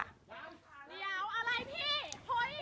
เดี๋ยวอะไรพี่